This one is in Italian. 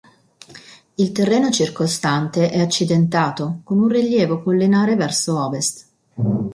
Il terreno circostante è accidentato, con un rilievo collinare verso ovest.